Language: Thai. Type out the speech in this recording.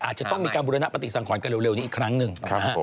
อาจจะต้องมีการบุรณปฏิสังขรกันเร็วนี้อีกครั้งหนึ่งนะฮะ